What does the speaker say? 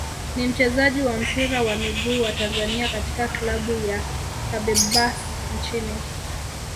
ni mchezaji wa mpira wa miguu wa Tanzania katika klabu ya Feberbahce nchini